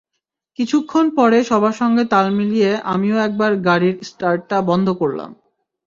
কিছুক্ষণ পরে সবার সঙ্গে তাল মিলিয়ে আমিও একবার গাড়ির স্টার্টটা বন্ধ করলাম।